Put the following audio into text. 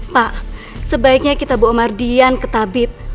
pak sebaiknya kita bawa mardian ke tabib